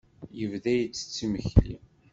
Yebda ittett imekli.